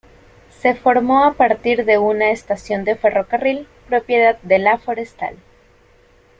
Se formó a partir de una estación de ferrocarril propiedad de La Forestal.